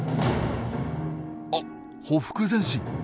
あっ「ほふく前進」。